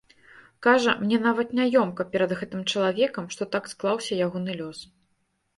Кажа, мне нават няёмка перад гэтым чалавекам, што так склаўся ягоны лёс.